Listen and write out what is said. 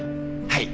はい！